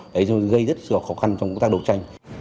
đấy rồi gây rất khó khăn trong công tác đấu tranh